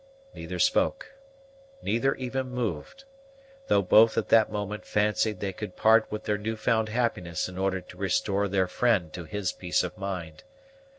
Neither spoke, neither even moved; though both at that moment fancied they could part with their new found happiness in order to restore their friend to his peace of mind.